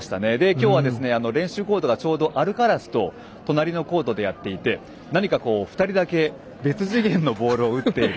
今日は練習コートがアルカラスの隣のコートでやっていて何か、２人だけ別次元のボールを打っている。